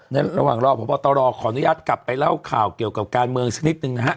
ในระหว่างรอพบตรขออนุญาตกลับไปเล่าข่าวเกี่ยวกับการเมืองสักนิดนึงนะฮะ